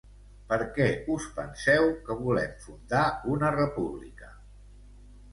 Per què us penseu que volem fundar una república?.